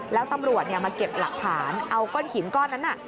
แล้วตำรวจมาเก็บหลักฐานเอาก้อนหินก้อนนั้น